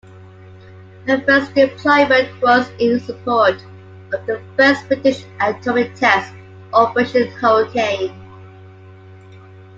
Her first deployment was in support of the first British atomic test, Operation Hurricane.